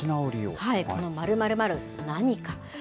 この〇〇〇、何か。